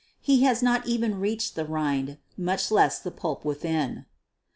He has not even reached the rind, much less the pulp within.